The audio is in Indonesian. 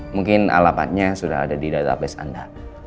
mungkin alapatnya sudah ada di database anda